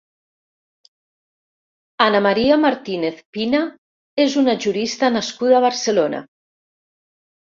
Ana María Martínez-Pina és una jurista nascuda a Barcelona.